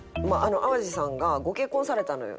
淡路さんがご結婚されたのよ。